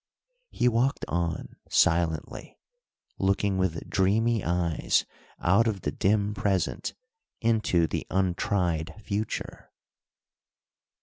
He walked on, silently, looking with dreamy eyes out of the dim present into the untried future.